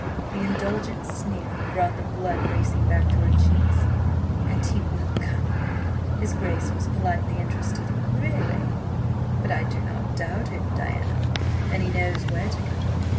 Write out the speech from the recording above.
The indulgent sneer brought the blood racing back to her cheeks. "And he will come!" His Grace was politely interested. "Really? But I do not doubt it, Diana, an he knows where to come."